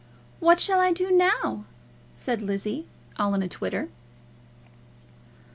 "What shall I do now?" said Lizzie, all in a twitter.